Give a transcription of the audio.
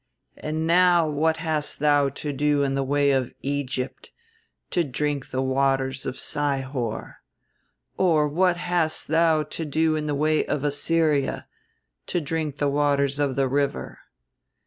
"'And now what hast thou to do in the way of Egypt, to drink the waters of Sihor? or what hast thou to do in the way of Assyria, to drink the waters of the river?